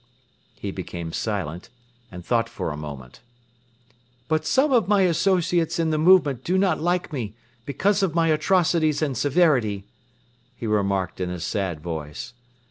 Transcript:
He became silent and thought for a moment. "But some of my associates in the movement do not like me because of my atrocities and severity," he remarked in a sad voice.